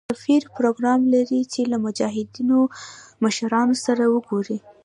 سفیر پروګرام لري چې له مجاهدینو مشرانو سره وګوري.